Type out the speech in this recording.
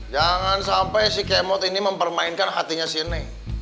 jangan sampai si kemot ini mempermainkan hatinya si neng